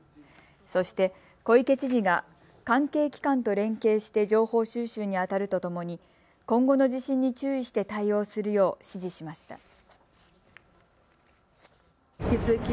そして小池知事が関係機関と連携して情報収集にあたるとともに今後の地震に注意して対応するよう指示しました。